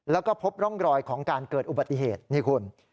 แล้วก็พบร่องรอยของการเกิดอุบัติเหตุนี่คุณ